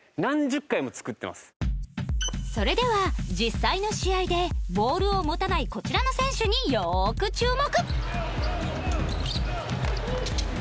それでは実際の試合でボールを持たないこちらの選手によーく注目！